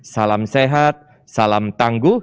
salam sehat salam tangguh